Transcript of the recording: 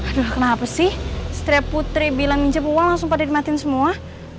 aduh kenapa sih setiap putri bilang minjem uang langsung pada nikmatin semua